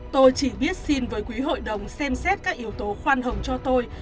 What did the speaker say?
tôi chỉ biết xin với quý hội đồng xem xét các yếu tố khoan hồng cho tôi